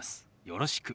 「よろしく」。